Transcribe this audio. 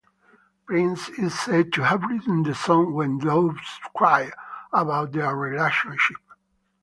Prince is said to have written the song "When Doves Cry" about their relationship.